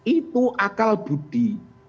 itu akal budi